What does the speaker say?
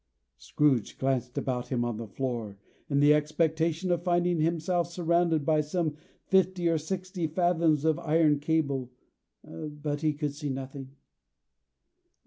Scrooge glanced about him on the floor, in the expectation of finding himself surrounded by some fifty or sixty fathoms of iron cable; but he could see nothing.